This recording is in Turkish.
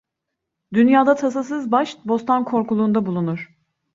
Dünyada tasasız baş bostan korkuluğunda bulunur.